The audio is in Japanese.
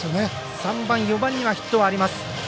３番、４番にはヒットがあります。